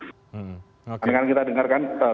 oke dengan kita dengarkan ee ee